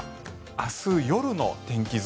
明日夜の天気図。